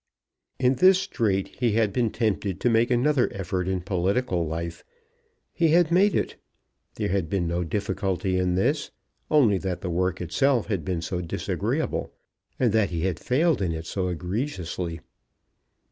In this strait he had been tempted to make another effort in political life, and he had made it. There had been no difficulty in this, only that the work itself had been so disagreeable, and that he had failed in it so egregiously.